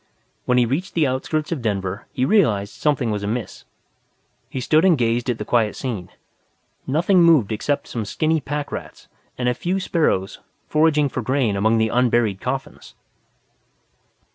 When he reached the outskirts of Denver he realized something was amiss. He stood and gazed at the quiet scene. Nothing moved except some skinny packrats and a few sparrows foraging for grain among the unburied coffins.